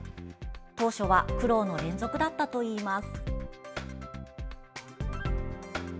当初は苦労の連続だったといいます。